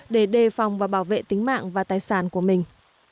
để đề phòng và bảo vệ tính mạng và tài sản của mình